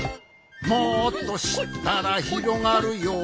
「もっとしったらひろがるよ」